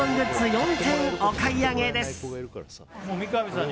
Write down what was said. ４点お買い上げです。